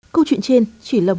câu chuyện trên chỉ là một phần